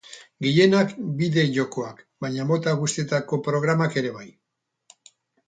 Gehienak bideo-jokoak, baina mota guztietako programak ere bai.